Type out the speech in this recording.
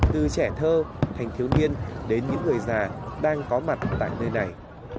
từ trẻ thơ thành thiếu niên đến những người già đang có mặt tại nơi này